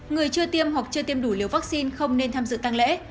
người chưa tiêm hoặc chưa tiêm đủ liều vaccine không nên tham dự tăng lễ